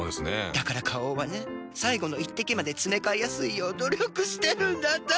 だから花王はね最後の一滴までつめかえやすいよう努力してるんだって。